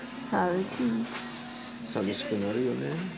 寂しくなるよね。